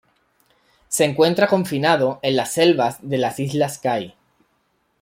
Se encuentra confinado en las selvas de las islas Kai.